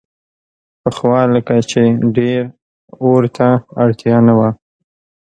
پخوا لکه چې ډېر اور ته اړتیا نه وه.